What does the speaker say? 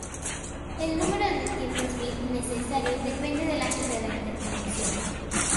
El número de tiempos bit necesarios depende del ancho de la interconexión.